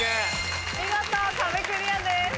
見事壁クリアです。